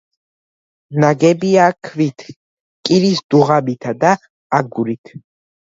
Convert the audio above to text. ნაგებია ქვით, კირის დუღაბითა და აგურით.